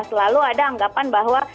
selalu ada anggapan bahwa